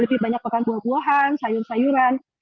jadi banyak memakan lebih banyak makan buah buahan sayur sayuran